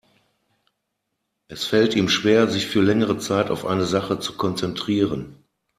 Es fällt ihm schwer, sich für längere Zeit auf eine Sache zu konzentrieren.